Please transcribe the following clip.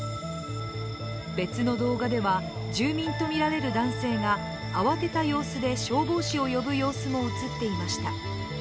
別の動画では、住民とみられる男性が慌てた様子で消防士を呼ぶ様子も映っていました。